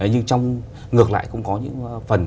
nhưng trong ngược lại cũng có những phần